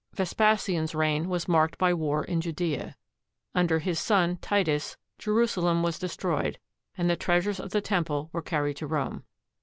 Vespasian's reign was marked by war in Judea. Under his son Titus, Jerusalem was destroyed, and the treas ures of the Temple were carried to Rome.